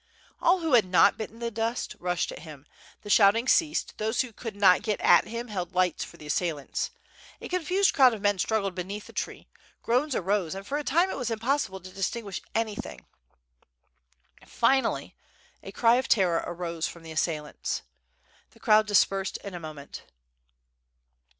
All who had not bitten the dust rushed at him; the shout ing ceased; those who could 'not get at him held lights for the assailants. A confused crowd of men struggled beneath the tree, groans arose and for a time it was impossible to dis tinguish anything. Finally a cry of terror arose from the as sailants. The crowd dispersed in a moment.